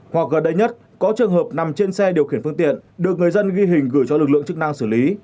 hoặc gần đây nhất có trường hợp nằm trên xe điều khiển phương tiện được người dân ghi hình gửi cho lực lượng chức năng xử lý